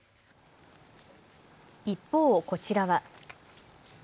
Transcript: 一方、こちらは。